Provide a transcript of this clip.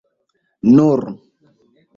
nur